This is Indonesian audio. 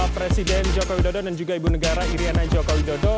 presiden joko widodo dan juga ibu negara iryana joko widodo